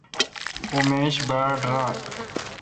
اوں میش باڑ ران۔